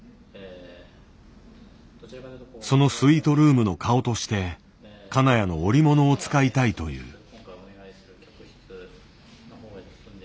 そのスイートルームの顔として金谷の織物を使いたいという。